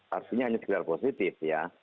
harusnya hanya sekedar positif ya